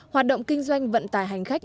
hoạt động kinh doanh vận tải hành khách